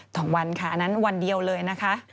ต่อวันค่ะอันนั้นวันเดียวเลยนะคะ